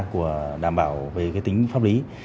của đảm bảo về cái tính pháp lý